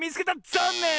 ざんねん！